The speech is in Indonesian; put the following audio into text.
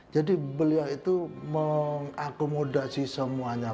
jadi beliau itu mengakomodasi semuanya